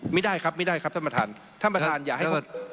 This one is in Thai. ไม่ได้ครับไม่ได้ครับท่านประธานท่านประธานอย่าให้หมด